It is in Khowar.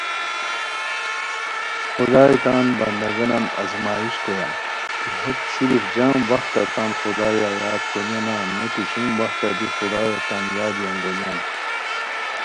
خدائے تان بندہ گنان آزمائش کویان کی ہیت صرف جام وختہ تان خدایو یاد کونیانا نو کی شوم وختہ دی خدایو تان یادی انگونیان